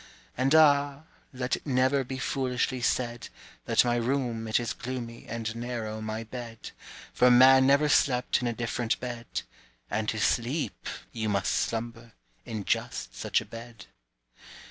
And ah! let it never Be foolishly said That my room it is gloomy And narrow my bed; For man never slept In a different bed, And, to sleep you must slumber In just such a bed.